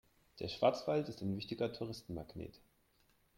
Der Schwarzwald ist ein wichtiger Touristenmagnet.